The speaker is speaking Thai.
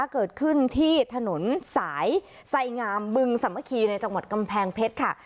เกิดขึ้นที่ถนนสายไสงามบึงสามัคคีในจังหวัดกำแพงเพชรค่ะ